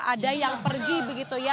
ada yang pergi begitu ya